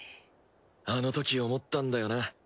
あのとき思ったんだよなぁ。